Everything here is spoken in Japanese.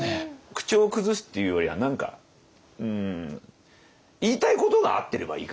口調を崩すっていうよりは何か言いたいことが合ってればいいかなっていう。